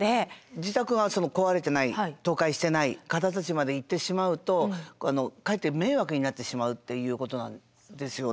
自宅は壊れてない倒壊してない方たちまで行ってしまうとかえって迷惑になってしまうということなんですよね？